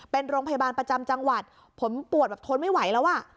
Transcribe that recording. เป็นโรงพยาบาลประจำจังหวัดผมปวดแบบทนไม่ไหวแล้วอ่ะ